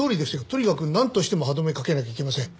とにかくなんとしても歯止めをかけなきゃいけません。